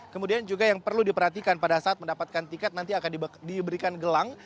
kemudian juga yang perlu diperhatikan pada saat mendapatkan tiket nanti akan diberikan gelang